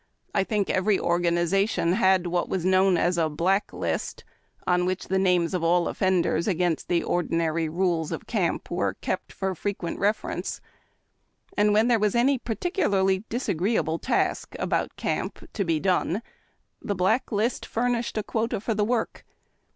I think every organization had what was known as a Black List, on which the names of all offenders against the ordi nary rules of camp were kept for frequent reference, and when thei'e was any particularly disagreeable task about camp to be done the black list furnished a quota for the work.